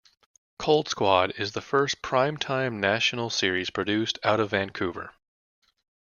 "Cold Squad" is the first prime time national series produced out of Vancouver.